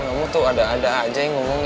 kamu tuh ada ada aja yang ngomong